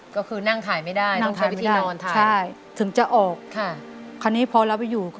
ก็คือนั่งถ่ายไม่ได้ต้องใช้วิธีนอนถ่ายเลยใช่ถึงจะออกคราวนี้พอเราตามมา